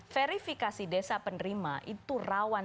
verifikasi desa penerima itu rawan